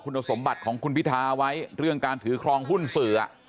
คุณสมบัติของคุณพิทาไว้เรื่องการถือครองหุ้นสื่อ